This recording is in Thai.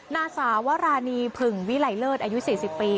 นาสาวรานีผึ่งวิไหลเลิศอายุ๔๐ปี